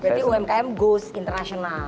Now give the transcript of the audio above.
jadi umkm ghost international